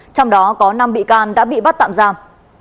trong đó có năm bị can đã bị bắt tạm giam